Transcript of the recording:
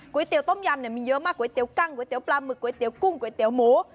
ก๋วยเตี๋ยวต้มยำเนี่ยมีเยอะมากก๋วยเตี๋ยวกั้งก๋วยเตี๋ยวปลาหมึกก๋วยเตี๋ยวกุ้งก๋วยเตี๋ยวหมู